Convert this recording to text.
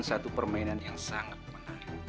satu permainan yang sangat menarik